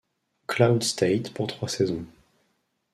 Cloud State pour trois saisons.